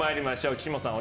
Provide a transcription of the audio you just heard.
岸本さん